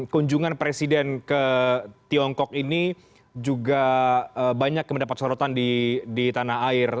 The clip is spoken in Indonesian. kunjungan presiden ke tiongkok ini juga banyak yang mendapat sorotan di tanah air